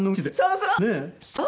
そうそう。